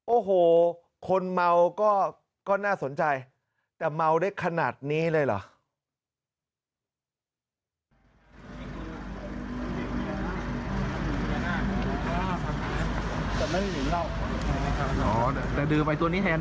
โอ้โหคนเมาก็น่าสนใจแต่เมาได้ขนาดนี้เลยเหรอ